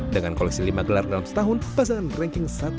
dengan koleksi lima gelar dalam setahun pasangan ranking satu